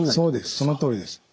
そのとおりです。